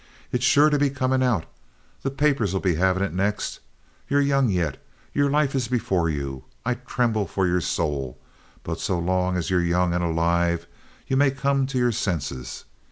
It's sure to be comin' out. The papers'll be havin' it next. Ye're young yet. Yer life is before you. I tremble for yer soul; but so long as ye're young and alive ye may come to yer senses.